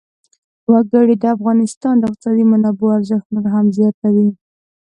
وګړي د افغانستان د اقتصادي منابعو ارزښت نور هم زیاتوي.